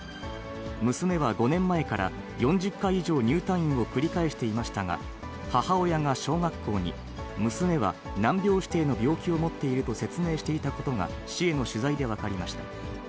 娘は５年前から４０回以上、入退院を繰り返していましたが、母親が小学校に、娘は難病指定の病気を持っていると説明していたことが、市への取材で分かりました。